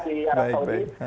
jalat kurma di arab saudi